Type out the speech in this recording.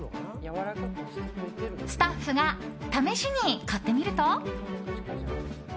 スタッフが試しに買ってみると。